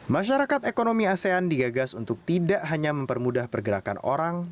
masyarakat ekonomi asean digagas untuk tidak hanya mempermudah pergerakan orang